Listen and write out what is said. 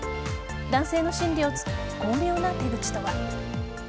男性の心理を突く巧妙な手口とは。